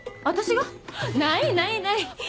私が？ないないない！